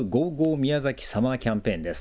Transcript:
みやざきサマーキャンペーンです。